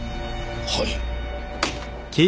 はい。